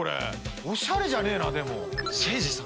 おしゃれじゃねえなでも。